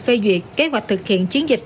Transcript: phê duyệt kế hoạch thực hiện chiến dịch